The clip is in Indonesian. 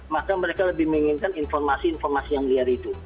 maka mereka lebih menginginkan informasi informasi yang liar itu